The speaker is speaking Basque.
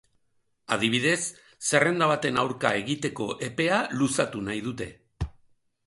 Adibidez, zerrenda baten aurka egiteko epea luzatu nahi dute.